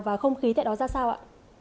và không khí tại đó ra sao ạ